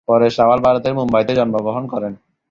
পরেশ রাওয়াল ভারতের মুম্বাইতে জন্মগ্রহণ করেন।